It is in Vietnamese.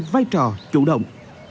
vai trò chủ động